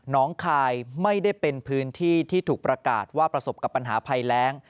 คายไม่ได้เป็นพื้นที่ที่ถูกประกาศว่าประสบกับปัญหาภัยแรง